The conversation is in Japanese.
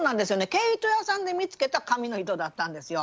毛糸屋さんで見つけた紙の糸だったんですよ。